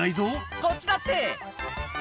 こっちだって。